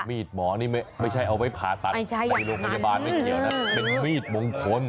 มีดหมอนี่ไม่ใช่เอาไว้ผ่าตัดในโรงพยาบาลไม่เกี่ยวนะเป็นมีดมงคล